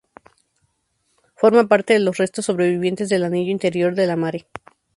Forma parte de los restos sobrevivientes del anillo interior del Mare.